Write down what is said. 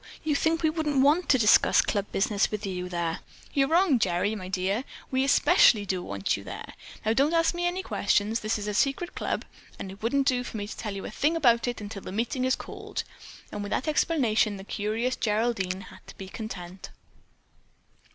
You think we wouldn't want to discuss club business with you there. You're wrong, Gerry, my dear! We especially do want you there. Now, don't ask me any questions. This is a secret club and it wouldn't do for me to tell you a thing about it until the meeting is called." And with that explanation the curious Geraldine had to be content.